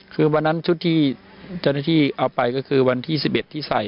คือวันนั้นชุดที่เจ้าหน้าที่เอาไปก็คือวันที่๑๑ที่ใส่